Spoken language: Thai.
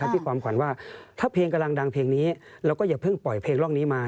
พี่ความขวัญว่าถ้าเพลงกำลังดังเพลงนี้เราก็อย่าเพิ่งปล่อยเพลงร่องนี้มา